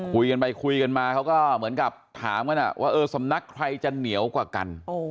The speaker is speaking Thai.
คุยกันไปคุยกันมาเขาก็เหมือนกับถามกันว่าเออสำนักใครจะเหนียวกว่ากัน